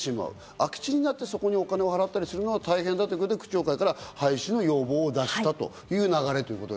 空き地にお金を払ったりするのは大変だということで区長会から廃止の要望を出したという流れ。